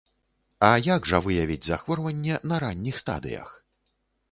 А як жа выявіць захворванне на ранніх стадыях?